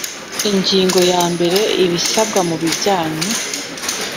Ingingo yambere Ibisabwa mu bijyanye